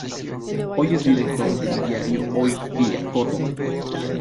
Hoy es director del diario Hoy Día Córdoba.